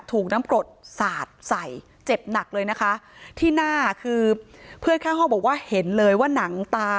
ถูกน้ำกรดสาดใส่เจ็บหนักเลยนะคะที่หน้าคือเพื่อนข้างห้องบอกว่าเห็นเลยว่าหนังตา